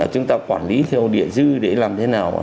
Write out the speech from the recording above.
chúng ta quản lý theo địa dư để làm thế nào